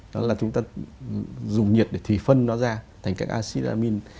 đó là chúng ta dùng nhiệt để thủy phân nó ra thành các acid amine